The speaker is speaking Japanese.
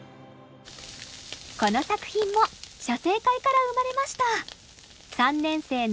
この作品も写生会から生まれました。